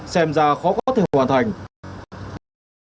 xem ra khó có thể hoàn thành